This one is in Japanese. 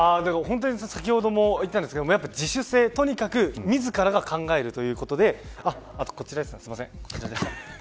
本当に先ほども言ったんですけど自主性とにかく自らが考えるということであとこちらですねすみません。